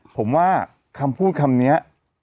ผมว่าคำพูดคำนี้